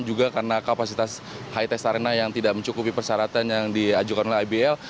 juga karena kapasitas high tech arena yang tidak mencukupi persyaratan yang diajukan oleh ibl